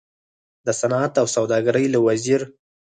د صنعت او سوداګرۍ له وزیر